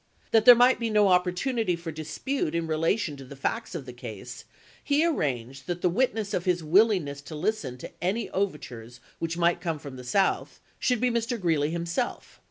That there might be no opportunity for dispute in relation to the facts of the case, he arranged that the witness of his willingness to listen to any overtures which might come from the South should be Mr. Greeley himself.